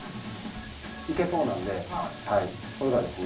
いけそうなんでこれがですね